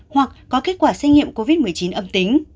hoặc có kết quả xét nghiệm covid một mươi chín âm tính